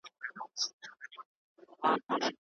د سولي لار تل د جګړي په پرتله غوره وي.